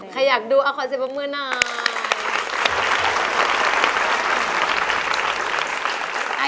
ใครอยากดูเอาขอเสียปรบมือหน่อย